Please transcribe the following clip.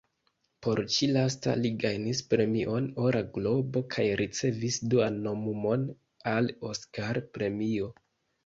Por ĉi-lasta, li gajnis Premion Ora Globo kaj ricevis duan nomumon al Oskar-premio.